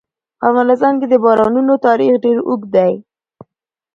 په افغانستان کې د بارانونو تاریخ ډېر اوږد دی.